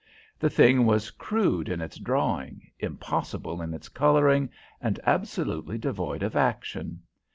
The thing was crude in its drawing, impossible in its coloring, and absolutely devoid of action.